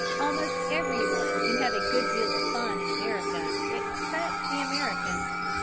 ] Almost every one can have a good deal of fun in America except the American.